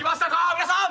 皆さん。